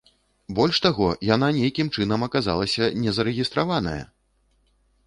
Больш таго, яна нейкім чынам аказалася незарэгістраваная!